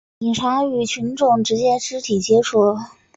警察将与群众直接肢体接触